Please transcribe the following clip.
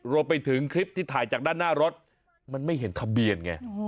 รวมไปถึงคลิปที่ถ่ายจากด้านหน้ารถมันไม่เห็นทะเบียนไง